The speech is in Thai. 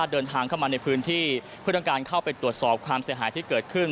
เดินทางเข้ามาในพื้นที่เพื่อต้องการเข้าไปตรวจสอบความเสียหายที่เกิดขึ้น